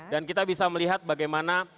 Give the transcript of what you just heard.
dan kita bisa melihat bagaimana